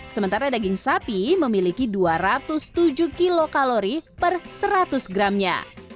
sementara daging sapi memiliki dua ratus tujuh kilokalori per seratus gramnya